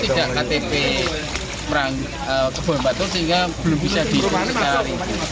banyak juga yang di bumi di sini ini tidak ktp kebohongan batu sehingga belum bisa dihubungi ke hari ini